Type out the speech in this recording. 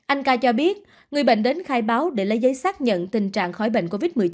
anh ca cho biết người bệnh đến khai báo để lấy giấy xác nhận tình trạng khỏi bệnh covid một mươi chín